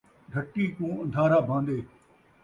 ڈھٹی کوں ان٘دھارا بھان٘دے